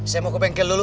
saya mau ke bengkel dulu